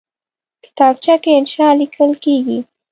کتابچه کې انشاء لیکل کېږي